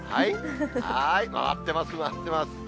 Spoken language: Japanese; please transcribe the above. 回ってます、回ってます。